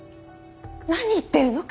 何言ってるの？